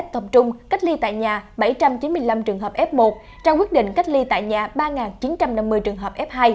tập trung cách ly tại nhà bảy trăm chín mươi năm trường hợp f một trao quyết định cách ly tại nhà ba chín trăm năm mươi trường hợp f hai